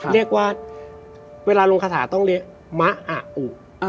เรียกว่าเวลาลงคาถาต้องเรียกมะอาอุ